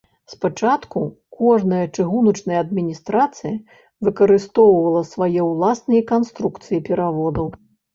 Спачатку кожная чыгуначная адміністрацыя выкарыстоўвала свае ўласныя канструкцыі пераводаў.